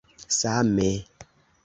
Same.